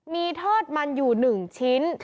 มีทอดมันอยู่๑ชิ้น